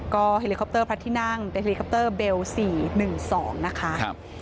ก็แฮลีคอปเตอร์พรรที่นั่งแฮลีคอปเตอร์เบลล์๔๑๒นะคะ